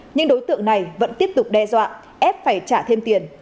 nhưng đối tượng này vẫn tiếp tục đe dọa ép phải trả thêm tiền